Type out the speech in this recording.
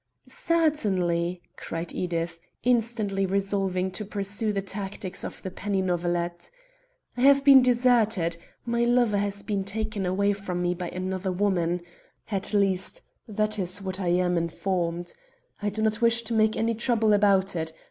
"Certainly," cried Edith, instantly resolving to pursue the tactics of the penny novelette. "I have been deserted. My lover has been taken away from me by another woman at least, that is what I am informed. I do not wish to make any trouble about it.